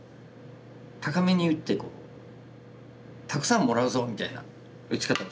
高めに打ってたくさんもらうぞみたいな打ち方をしたい。